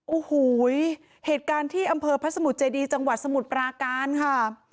โอ้โหเหตุการณ์ที่อำเภอพระสมุทรเจดีจังหวัดสมุทรปราการค่ะ